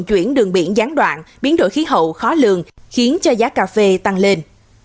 chuyển đường biển gián đoạn biến đổi khí hậu khó lường khiến cho giá cà phê tăng lên